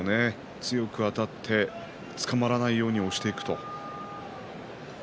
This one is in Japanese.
強くあたってつかまらないように押していくと。